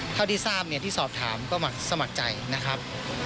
เท่าที่ที่สอบถามเราก็สมัครใจนะครับ